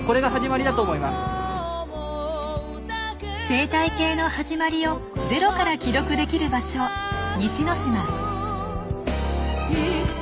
生態系の始まりをゼロから記録できる場所西之島。